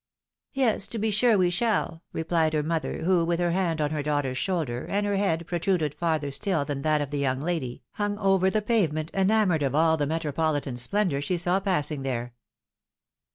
" Yes, to be sure we shall," replied her mother, who, with her hand on her daughter's shoulder, and her head protruded farther still than that of the young lady, hung over the pave ment, enamoured of all the metropolitan splendour she saw passing there.